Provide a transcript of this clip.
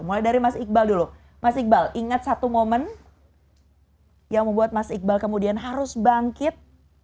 mulai dari mas iqbal dulu mas iqbal ingat satu momen yang membuat mas iqbal kemudian harus bangkit